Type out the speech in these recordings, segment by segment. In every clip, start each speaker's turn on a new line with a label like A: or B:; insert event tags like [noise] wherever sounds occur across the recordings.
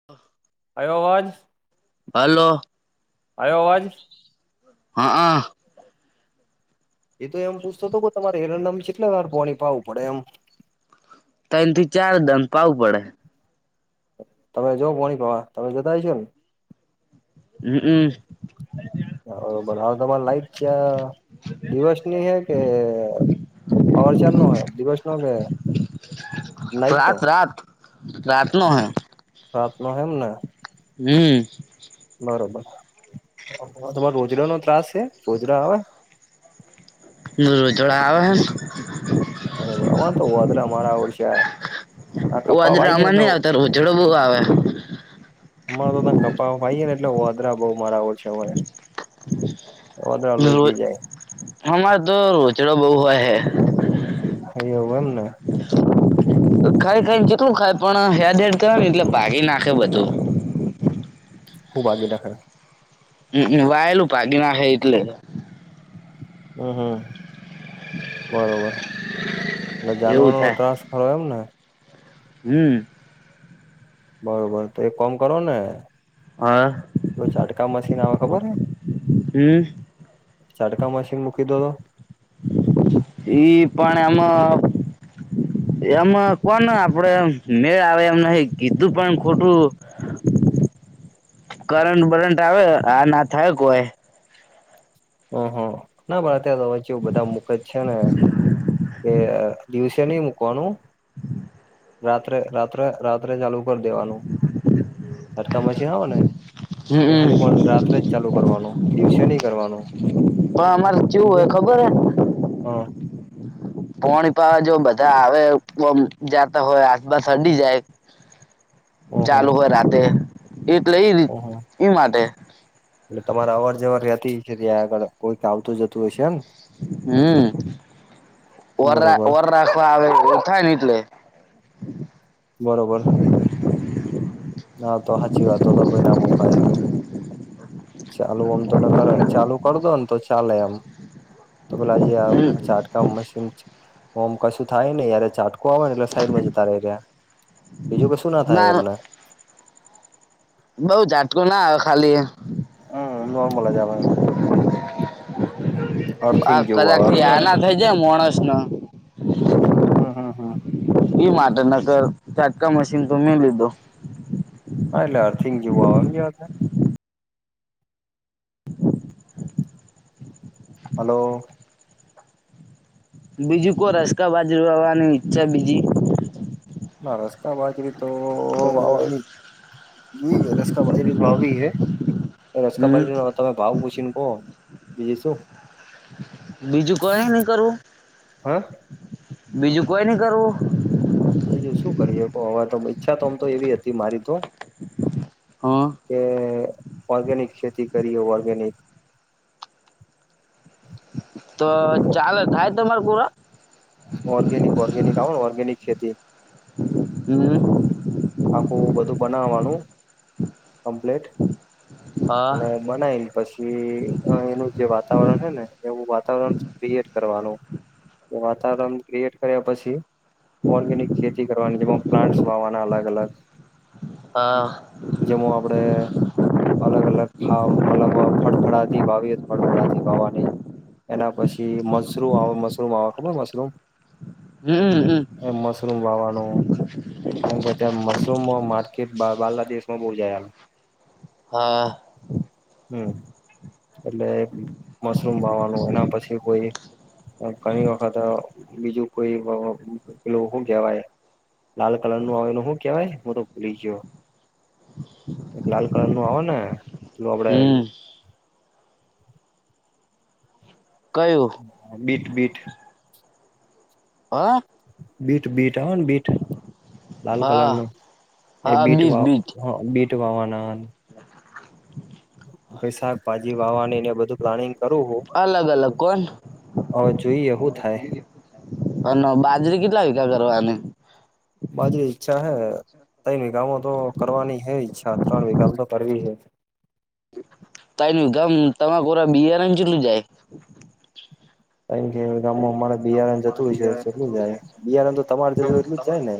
A: [inaudible]
B: આયો આવાજ
A: હાલો
B: આયો આવાજ
A: હનઅ
B: એ તો એમ પૂછતો તો તમારે એરંડામ ચેટલા વાર પોણી પાવું પડે એમ
A: તઈણ થી ચાર દન પાવું પડે
B: તમે જો પોણી પાવા તમે જતા હશો ન
A: હ અ
B: હઅ હાલ તમારે લાઈટ ચા દિવસની હે કે પાવર ચારનો હે દિવસ નો કે નાઈટ નો
A: રાત રાત રાત નો હે
B: રાતનો હે એમને
A: હમ્મ
B: બરોબર તમારો રોજડાનો ત્રાસ સે રોજડા આવે
A: રોજોડા આવે હેન
B: બરોબર અમાર તો ઓદરા મારા ઓળશ્યા
A: ઓ આદરા અમાર નઈ આવતા રોઝડો બોહુ આવે.
B: અમારે તો તા ગપ્પા મારીયે ને એટલે વાદરા બોઉ મારા ઓ છે અમારે વાંદરા લોઈ પી જાય.
A: અમારે તો રોચડો બોઉ હોય હે.
B: હોયો વન ને?
A: ખાઈ ખાઈ ન કેટલું ખાય પણ હેડ-હેડ કર ને એટલે પાડી નાખે બધું.
B: હું ભાંગી નાખે?
A: હમ, હમ, વાયેલું પાડી નાખે એટલે.
B: હમ, હમ, બરોબર એટલે
A: એવું
B: જાનવરોનો
A: થાય
B: ત્રાસ હ એમ ને?
A: હમ,
B: બરોબર, તો એક કોમ કરો ને
A: હા,
B: પેલું ચાડકા મશીન આવે ખબર ને
A: હમ,
B: ચાડકા મશીન મૂકી દો તો
A: ઈ પણ આમો એમાં કોન આપડે એમ મેળ આવે એમ નહી, કીધું પણ ખોટું
B: [inaudible]
A: કરંટ બરંટ આવે, આ ના થાય કોઈ.
B: હ, હ, ના પણ અત્યારે અવે કેવું બધાં મૂકે જ છે ને કે દિવસે નઈ મૂકવાનું.
A: [inaudible]
B: રાત્રે-રાત્રે-રાત્રે ચાલુ કરી દેવાનું, ચટકા મશીન હને એ
A: હમ
B: ખાલી પણ રાત્રે જ ચાલુ કરવાનું દિવસે ની કરવાનું.
A: પણ અમારે ત કેવું હોય ખબર હે?
B: હા,
A: પોણી પાવા, જો બધા આવે ઓમ જાતા હોય આસપાસ અડી જાય.
B: ઓહો
A: ચાલુ હોય રાતે એટલે રીત,
B: ઓહો
A: ઈ માટે.
B: એટલે તમારા અવર જવર રેતી કે ત્યાં આગળ કોઈક આવતું જતું હશે ને?
A: હમ, ઓરા
B: બરોબર
A: ઓર રાખવા આવે એવું થાય ને એટલે
B: બરોબર, હા, તો હાચી વાત, તો તો ભાઈ ના મૂકાય. ચાલુ આમ તો ન કર, ચાલુ કર દો ન તો ચાલે એમ. તો પેલા જે આમ ચાટકા મશીન છ ઓમ કશું થાય નેઈ આરે ચાટક કો આવે ને એટલે સાઈડમાં જતા રે રહ્યા, બીજું કશું ના થાય એમને
A: બઉ ઝાટકું ના આવે ખાલી.
B: હમ, નોર્મલ જ આવે. અર્થિંગ
A: આ
B: જેવું આવે
A: કલાકથી આ
B: સમજ્યાને
A: ના થઈ જાય મોણસ નો
B: હમ, હમ, હમ,
A: ઈ માટે નકર ચાટકા મશીન તો મેં લીધો.
B: હા, એટલે અર્થિંગ જેવું આવે એમ જેવા કેય
A: [inaudible]
B: હલો!
A: બીજું કોર રસ્કા બાજરી વાવાની ઈચ્છા બીજી
B: ના, રસ્તા બાજરી તો વાવાની જ જોઈએ રસ્કા બાજરી તો વાવવી હે, રસ્કા
A: હમ
B: બાજરીનો તમે ભાવ પૂછીને કહો. બીજું શું?
A: બીજું કોયો ની કરવું?
B: હા
A: બીજું કોય ની કરવું?
B: બીજું શું કરીએ કો? હવે તો ઈચ્છા તો આમ તો એવી અતી મારી તો
A: હા,
B: કે ઓર્ગેનિક ખેતી કરીએ ઓર્ગેનિક
A: તો ચાલે થાય તમાર પૂરા?
B: ઓર્ગેનિક ઓર્ગેનિક આવ ને ઓર્ગેનિક ખેતી
A: હમ
B: આખું બધું બનાવાનું કમ્પ્લેટ
A: હા
B: અને મનાય પછી એનું જે વાતાવરણ હે ને એવું વાતાવરણ ક્રિએટ કરવાનું વાતાવરણ ક્રિએટ કર્યા પછી ઓર્ગેનિક ખેતી કરવાની જેમાં પ્લાન્ટસ વાવાના અલગ-અલગ
A: હા
B: જેમ આપડે અલગ-અલગ ખા મતલબ ફળફળાથી વાવીએ ફળફળાથી વાવા ની એના પછી મશરૂમ આવે મશરૂમ આવે ખબર મશરૂમ?
A: હમ-હમ
B: એ મશરૂમ વાવાનું ત મશરૂમ માર્કેટ બારના બાંગ્લાદેશમાં બહુ જાય
A: હા.
B: હમ્મ, એટલે મશરૂમ વાવાનું, એના પછી કોઈ ગની વખત અ બીજું કોઈ વ વ પેલુ હુ કહેવાય, લાલ કલર નું આવે એને હુ કેવાય ને હું તો ભૂલી ગયો. એક લાલ કલર નું આવે ને એેલું આપડે.
A: હમ. કયુ?
B: બીટ બીટ
A: હા.
B: બીટ, બીટ આવે ને બીટ, લાલ કલર
A: હા
B: નુ એ
A: હા
B: બીટ
A: બીજ
B: વા
A: બીજ
B: વ, હ બીટ વાવાનાન
A: [inaudible]
B: પસી શાક ભાજી વાવાની એને બધું. પ્લાનિંગ કરું હું,
A: અલગ અલગ કોણ
B: હવે જોઈએ હુ થાય.
A: અનો બાજરી કેટલા વિગા કરવાની?
B: બાજરી ઈચ્છા હે, તઇ નહી ગામો તો કરવાની હે ઈચ્છા, ત્રણ વિગા તો કરવી હે.
A: તઈણ ગમ તમા કોરા બિયારણ કેટલું જાય?
B: એમકે ગામમાં અમારે બિયારણ જતું છે, કેટલું જાય બિયારણ તો તમારે જતું હોય એટલું જાય ને.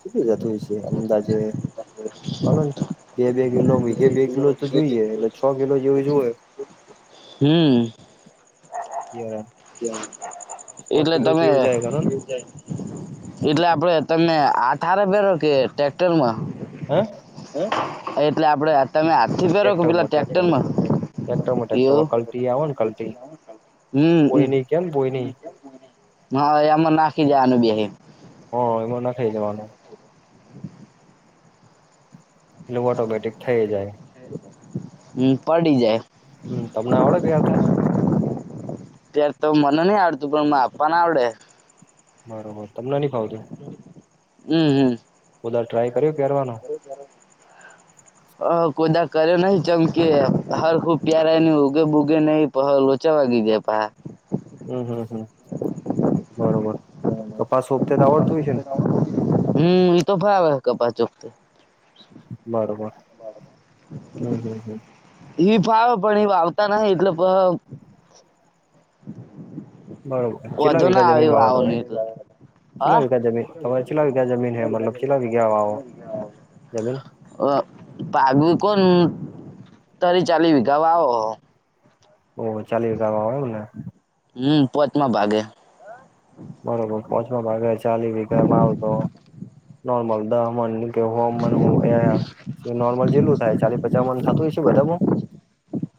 B: કેટલું જતુ હશે અંદાજે? કનો બે-બે કિલો બીજે બે કિલો તો જોઈએ એટલે છ કિલો જેવુ જુવે.
A: હમ્મ
B: યારા
A: એટલે તમે
B: જાય ગણો ને
A: એટલે આપડે તમે આથારે પહેરો, કે ટ્રેક્ટરમાં?
B: હે!
A: હું એટલે આપડે તમે હાથ થી ફેરો કે પેલા
B: ટ્રેક્ટરમાં
A: ટ્રક્ટરમાં? એવું
B: ટી આવો ને કલટી
A: હમમ,
B: પોઈની કેમ પોઈની
A: હા એ આમાં નાખી જવાનું બેહે
B: હો, એમાં નખાય દેવાનું. એટલે ઓટોમેટિક થઈ જાય.
A: હમ્મ, પડી જાય
B: હમ્મ, તમને આવડે બિહારતા?
A: ત્યાર તો મને ની આવડતું, પણ મારા આપાને આવડે.
B: બરોબર, તમને ની ફાવતું.
A: હમ્મ હમ્મ
B: કોઈ દાડ ટ્રાય કરીયો પેરવાનો?
A: [unintelligible]
B: [inaudible]
A: અ કો દા કર્યો નહી ચમકી એ, હરખુબ પ્યારે એની ઉગે બૂગે નહિ પહ લોચા વાવી ગયા પાહે
B: હમ્મ હમ્મ હમ્મ, બરોબર, કપાસ રોપતે તો આવડતું હોયે ને?
A: [unintelligible] હમ્મ, એ તો ભાઇ આવે કાપાસ રોપટે
B: બરોબર હમ્મ હમ્મ હમ્મ.
A: ઇ ફાવ પણ, ઇ વાવતા ન એટલે પ
B: બરોબર કેટલા
A: વધુ
B: વીઘા
A: ના
B: જમીન
A: આવે
B: વાવો
A: વાવોલ
B: તમે
A: એટલે
B: કેટલા
A: હા?
B: વીઘા જમીન તમારે કેટલા વીઘા જમીન હે મતલબ કેટલા વીઘા વાવો જમીન
A: [inaudible] પાગવી કોણ તરી ચાલી વગા આવો.
B: ઓહ ચાલી રકા વાવ એવું ને?
A: હમ્મ, પોતમાં ભાગે.
B: બરોબર પોંચમા ભાગે ચાલી વીમાં આવતો નોર્મલ દમન કે હો મડ હો એ નોર્મલ જેટલું થાય ચાલી પચા મડ થાતું હસે બધામાં?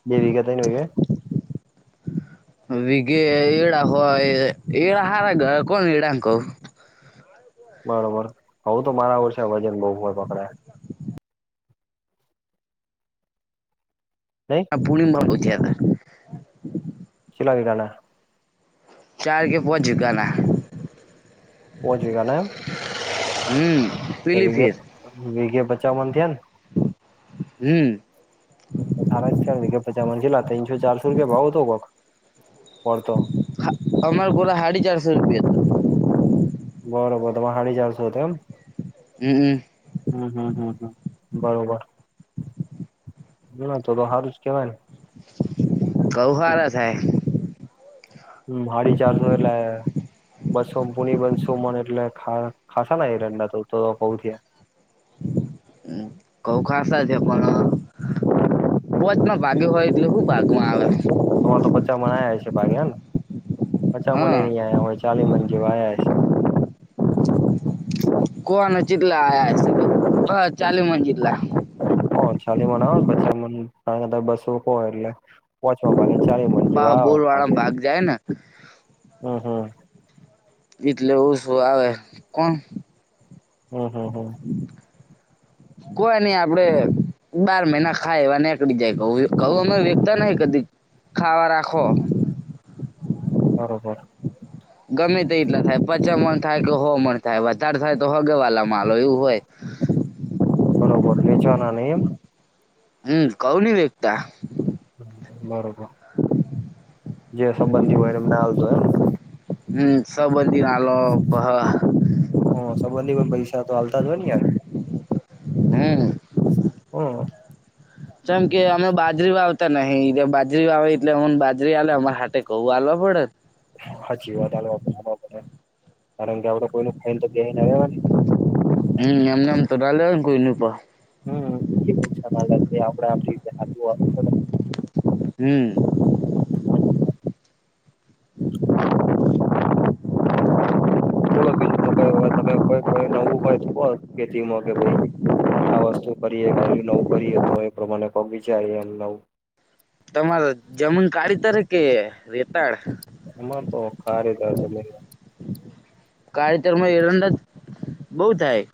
B: બે વીગા થઈ ને
A: વિઘે એડા હોય એળ હારા કોણ એડા કવ
B: બરોબર હઉ તો મારા ઓર છે વજન બહુ હો પકડાય
A: [inaudible]
B: નઈ?
A: ભૂલમાં બો જ્યાં કરે
B: કેટલા વીઘા ના?
A: ચાર કે પાંચ વિઘાના.
B: પોચ વઘા ના એમ?
A: હમ
B: તો
A: પેલી
B: વિધે
A: ફેર
B: વિઘે પચા મડ થયા ને?
A: હમ્મ.
B: તો સારા જ ખ્યા કે પચા છેલા તીનસો ચારસો રૂપિયા ભાવ હતો કક પડતો
A: અમાર ગોરા સાડી ચારસો રૂપિયા
B: બરોબર તમે હાડી ચારસો હતા એમ?
A: હમ્મ હમ્મ.
B: હમ્મ હમ્મ હમ્મ હમ્મ, બરોબર. ના ના તો તો હારું જ કેવાય ને?
A: ગઉ હારા થાય.
B: હમ્મ હાડી ચારસો એટલા એ બસો પુણી બસો મન એટલે ખા ખાસા ના એરંડા તો તો બઉ થ્યા.
A: હમ્મ કઉ ખાસ છે પણ પોચમાં ભાગ્યો હોય એટલે શું ભાગમાં આવે.
B: તમાર તો પચા મણ આયા હોય છે ભાગેને પચા મને
A: હા
B: એ નહી આયા હોય ચાલી મડ જેવા આયા હસે.
A: કવાના ચેટલા આયા હસે, બ ચાલી મન જેટલા.
B: હ ચાલી મડ આવે ને પચા મડ [unintelligible] બસો હો એટલે. પોચવા ભાગે ચાલિ મડ
A: બા
B: જેવા આવે
A: બોર વાળા
B: ભાગે,
A: ભાગ જાય ને
B: હમ્મ હમ્મ.
A: એટલે ઓશું આવે કોણ
B: હમ્મ હમ્મ હમ્મ.
A: કોઈ નઈ આપડે બાર મહિના ખાય એવા નેકળી જાય ક કહ અમે વેખતા નઈ કદી ખાવા રાખો.
B: બરોબર.
A: ગમે તે એટલા થાય પચા મણ થાય કે હો મણ થાય વધારે થાય તો હગાવાલા આલો એવું હોય.
B: બરોબર, વેચવાના નહી એમ?
A: હમ્મ, કવ ની વેકતા.
B: હમ્મ બરોબર. જે સંબંધી હોય ને એમને આલદો એમ ને?
A: હમ્મ સબંધી હાલો હ.
B: હ સંબંધી પણ પૈસા તો આલતા જ હોય ને યાર.
A: હમ.
B: હમ.
A: ચમ કે અમે બાજરી વાવતા નહ બાજરી વાવી એટલે હમને બાજરી આવેલે અમારે હાટે કઉ હલવા પડે.
B: હાચી વાદ [inaudible] કારણ કે આપડે કોઈ ન ફન તો બે ના રેવા [unintelligible]
A: હમ એમને એમ તો ના લેવા ને કોઈ ન.
B: હમ આપ આપ [unintelligible]
A: હમ.
B: સાચી વા
A: [inaudible]
B: બોલો બીજું તો કોઈય તમે કોઈ કોઈ નવું હોય ખેતીમાં કે ભઈ. આ વસ્તુ કરીએ ક નવું કરીએ તો એ પ્રમાણે પગ વિચારીએ નવ.
A: તમારે જમીન કાઢી તરે કે રેતાડ?
B: એમાં તો કાળી જમીન.
A: કાળતરમાં એરંડા બઉ થાય.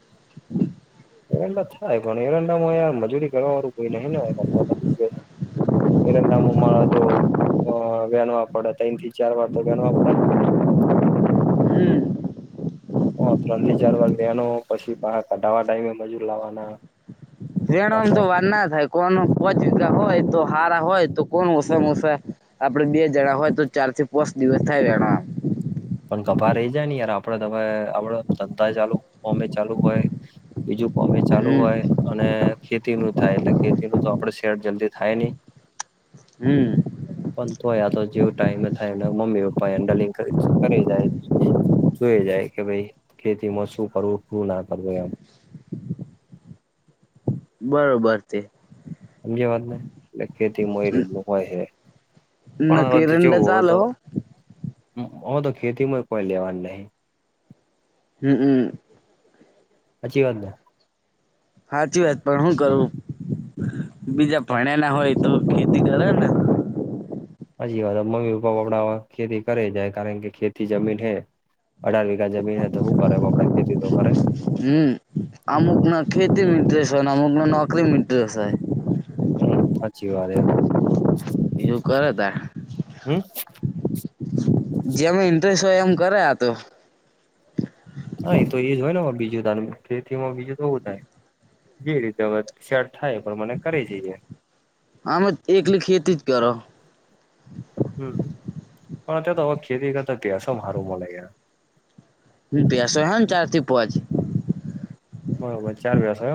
B: એરંડા થાય પણ એરંડામાંયાર મજૂરી કરવા વાળું કોઈ નઈ. એરડા મો મા જો વહેણવા પડે ત થી ચાર વાર તો વહેણવા પડે ન.
A: હમ
B: હ ત્રણ થી ચાર વાગ લેનો પછી કઢાવા ટાઈમે બાજુ લાવવાના.
A: રેના આમ
B: પાછા
A: તો વાર ના થાય. કો કોચા હોય તો હરા હોય તો કોણ ઓસસા આપડે બે જણા હોય તો ચાર થી પાંચ દિવસ થાય વેણવા.
B: પણ ગભા રહી જાય યાર આપડે તમે આપડ ધંધા ચાલુ કોમે ચાલુ હોય. બીજું કોમે ચાલુ
A: હમ
B: હોય. અને ખેતી નું થાય એટલે ખેતી નું તો આપડે શેર જલ્દી થાય નહી.
A: હમ.
B: પણ તો યા તો જેવું ટાઈમે થાય એ મમ્મી પપ્પા હેન્ડલિંગ કરે છે. કરે જાય જોઈ જાય કે ભાઈ ખેતીમાં શું કરવું શું ના કરવું એમ.
A: બરોબર તે.
B: [unintelligible] એટલે ખેતીમાંય રીતનું હોય હે, પણ અવે
A: નક્કી
B: તો
A: રંડા
B: ચેવુ ઓ
A: ચાલે હો
B: તો ખેતીમાં કોઈ લેવાનું નહી.
A: હમ હમ.
B: હાચી વાતને?
A: સાચી વાત પણ શું કરું, બીજા પાણ્યા ના હોય તો ખેતી કરે ને.
B: હજી વાત મમ્મી પપ્પા આપપડા ખેતી કરે જાય કારણ કે ખેતી જમીન હે. અઢાર વીઘા જમીન હ તો શું કરે આપડા ખેતી તો કરે,
A: હમ
B: હમ.
A: અમુક ના ખેતી ઇન્ટ્રેસ હોયને અમુક ન નોકરી ઇન્ટ્રેસ હોય.
B: હમ હાચી વાત આ.
A: એવું કરે ત.
B: હમ
A: જેમ ઇન્ટરેસ્ટ હોય એમ કરે આતો
B: હા, ઈ તો એ જ હોય ને બીજું ખેતીમાં બીજું તો હુ થાય જે રીતે હવે સેટ થાય એ પ્રમાણે કરી જઈએ.
A: આમજ એકલી ખેતી જ કરો.
B: હમ. પણ અત્યારે તો હવે, ખેતી કરતા ત્યાસો મારું મળે ગયા.
A: હ, બેસ હ ચારથી પોવા જ છે?
B: બરોબર ચાર વસને.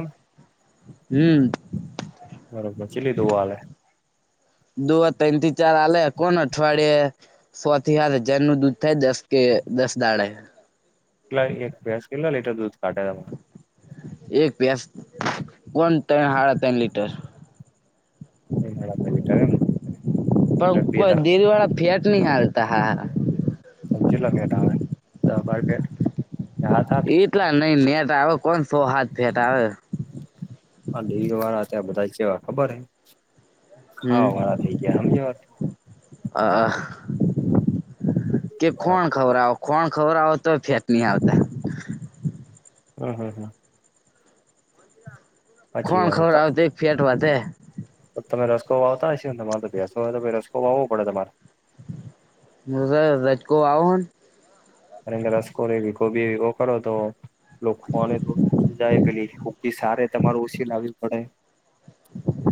A: હમ.
B: બરોબર ચીલી દો હલે.
A: દુ તન થી ચાર આલે કોણ અઠવાડિયે- સો થી હાત હજારનું દૂધ થાય, દસ કે દસ દહાડે.
B: લ એક ભેંસ કેટલા લીટર દૂધ કાઢે,
A: એક ભેંસ પોણ ત્રણ હાડા ત્રણ લીટર.
B: એ મીટર એમને
A: પણ કોઈ દિલવાળા ફેટ નહી હાલતા હા
B: ચેતલા પેટ આવે દહ બાર પેટ
A: એટલા નઈ, નેટ આવે કોણ સો હાથ ફેટ આવે.
B: હલ ડેલી વારા તો આ બધા ચેવાં ખબર હે? ખાવાવાળા થઈ જયા હમજો વા
A: અ આહ
B: [inaudible]
A: કે
B: વાત
A: ખોણ ખવરડાવો, ખાણ ખવડાવો તો ય ફેટ ન આવતા.
B: હમ હમ હમ. સાચી
A: ખોણ ખબડાવે તો અેક ફેટ વધે.
B: તો તમે રસ્કો વાવતા હ છી ને તમારે તો બેસો હોય, તો ભ રસ્કો વાવો પડે તમારે
A: હ, [unintelligible] રાજકો આવો હન
B: અને રસકો એવી ગોબી એવી કરો તો લોકોને થોડું ઓછું જાય પે કોકીસ તમારે ઓછી લાવવી પડે.